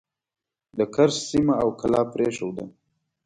د کرز سیمه او کلا پرېښوده.